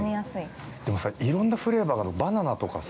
◆いろんなフレーバーがあるバナナとかさ。